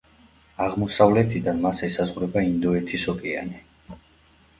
აღმოსავლეთიდან მას ესაზღვრება ინდოეთის ოკეანე.